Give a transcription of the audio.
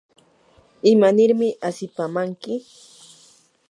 ¿imanirmi asipamanki?